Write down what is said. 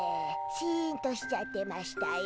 シンとしちゃってましたよ。